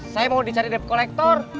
saya mau dicari dep kolektor